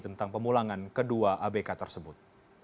tentang pemulangan kedua abk tersebut